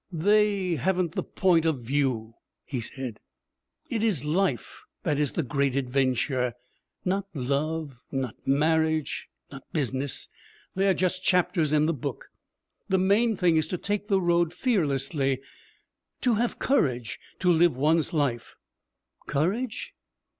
'They haven't the point of view,' he said. 'It is life that is the great adventure. Not love, not marriage, not business. They are just chapters in the book. The main thing is to take the road fearlessly, to have courage to live one's life.' 'Courage?'